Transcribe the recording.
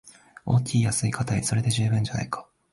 大きい安いかたい、それで十分じゃないか